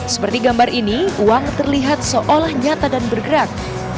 seperti gambar ini uang terlihat seolah nyata dan bergerak